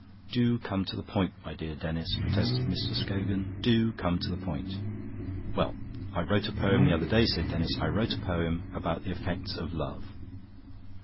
"Do come to the point, my dear Denis," protested Mr. Scogan. "Do come to the point." "Well, I wrote a poem the other day," said Denis; "I wrote a poem about the effects of love."